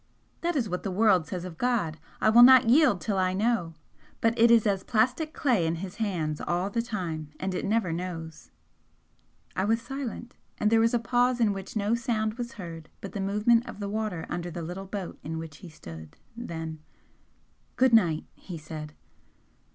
"That is what the world says of God 'I will not yield till I know!' But it is as plastic clay in His hands, all the time, and it never knows!" I was silent and there was a pause in which no sound was heard but the movement of the water under the little boat in which he stood. Then "Good night!" he said.